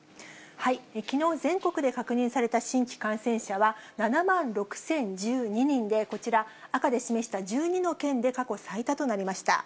きのう、全国で確認された新規感染者は、７万６０１２人で、こちら、赤で示した１２の県で過去最多となりました。